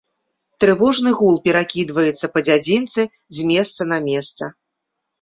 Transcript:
Трывожны гул перакідваецца па дзядзінцы з месца на месца.